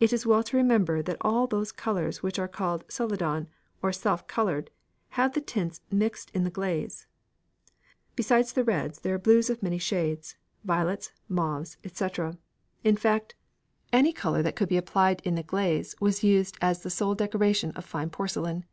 It is well to remember that all those colours which are called Celadon, or self coloured, have the tints mixed in the glaze. Besides the reds, there are blues of many shades, violets, mauves, &c. in fact, any colour that could be applied in the glaze was used as the sole decoration of fine porcelain.